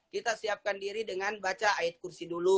kita siapkan diri dengan baca ayat kursi dulu